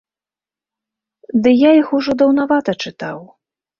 Ды я іх ужо даўнавата чытаў.